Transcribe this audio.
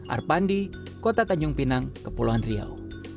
arpandi kota tanjung pinang kepulauan riau